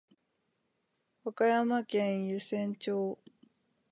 和歌山県湯浅町